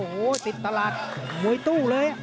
โอ้โหติดตลาดมวยตู้เลย